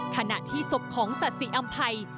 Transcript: ธนาธิสบของสาธิอำไพย